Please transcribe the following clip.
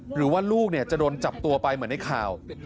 หรือว่าลูกจะโดนจับตัวไปเหมือนในข่าว